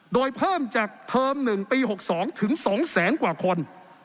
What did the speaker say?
โดยเพิ่มจากเทอม๑ปี๖๒ถึง๒แสนกว่าคน